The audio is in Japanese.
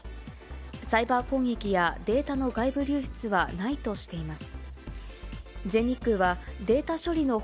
サイバー攻撃やデータの外部流出はないとしています。